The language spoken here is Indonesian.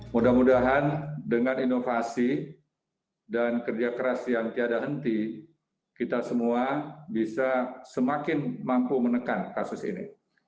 mudah mudahan dengan inovasi dan kerja keras yang tiada henti kita semua bisa semakin mampu menekan kasus ini